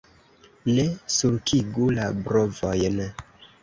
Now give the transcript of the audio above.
Ne sulkigu la brovojn!